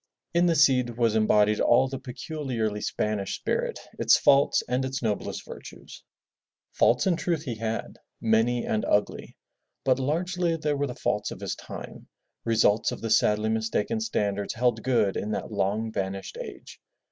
In the Cid was embodied all the peculiarly Spanish spirit, its faults and its noblest virtues. Faults in truth he had — many and ugly, but largely they were the faults of his time, results of the sadly mistaken standards held good in that long vanished age.